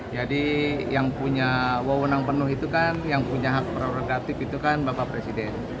jadi yang punya wawonang penuh itu kan yang punya hak prorogatif itu kan bapak presiden